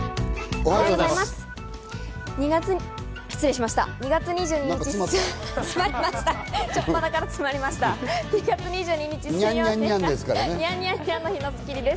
おはようございます。